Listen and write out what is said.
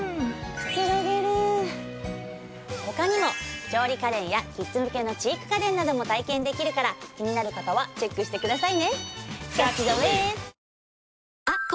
他にも調理家電やキッズ向けの知育家電なども体験できるから気になる方はチェックしてくださいね。